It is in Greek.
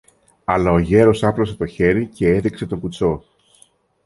Αλλά ο γέρος άπλωσε το χέρι κι έδειξε τον κουτσό.